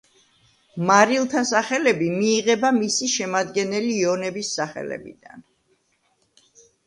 მარილთა სახელები მიიღება მისი შემადგენელი იონების სახელებიდან.